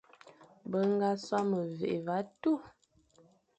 Be ñga sô memveghe ve tu,